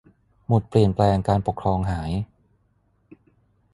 หมุดเปลี่ยนแปลงการปกครองหาย